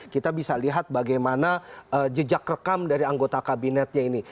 kita bisa lihat bagaimana jejak rekam dari anggota kabinetnya ini